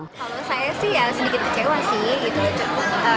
kalau saya sih sedikit kecewa sih itu cukup